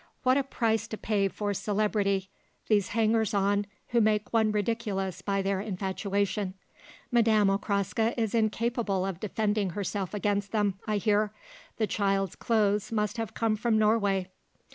"What a price to pay for celebrity these hangers on who make one ridiculous by their infatuation. Madame Okraska is incapable of defending herself against them, I hear. The child's clothes might have come from Norway!"